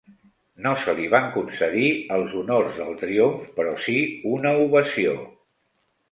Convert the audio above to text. No se li van concedir els honors del triomf, però si una ovació.